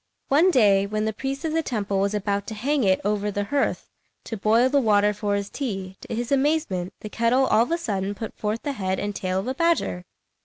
One day, when the priest of the temple was about to hang it over the hearth to boil the water for his tea, to his amazement, the kettle all of a sudden put forth the head and tail of a badger.